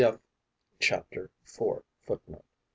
Chapter 4 footnote.